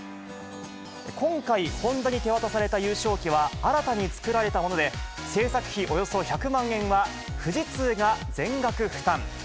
今回、ホンダに手渡された優勝旗は新たに作られたもので、制作費およそ１００万円は、富士通が全額負担。